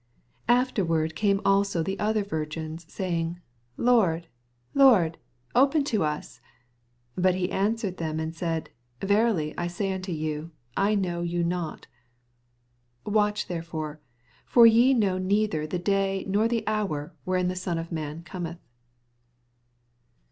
11 Afterward oame also the other virgins, saying. Lord, Lord, open to us. 12 But he answered and said. Verily I say unto you, I know you not. 18 Watch therefore, fbr ye know neither the day nor the hour wherein the Son of man cometh.